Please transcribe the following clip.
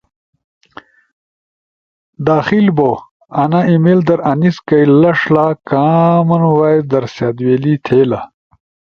داخل بو آنا ای میل در آنیس کئی لݜلا کامن وائس در سأت ویلی تھے لا۔